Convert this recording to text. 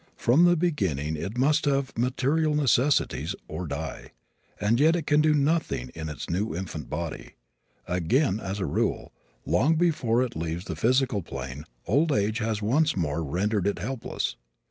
From the beginning it must have material necessities or die, and yet it can do nothing in its new infant body. Again, as a rule, long before it leaves the physical plane old age has once more rendered it helpless.